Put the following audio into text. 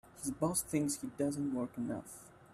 His boss thinks he doesn't work enough.